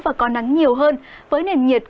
và có nắng nhiều hơn với nền nhiệt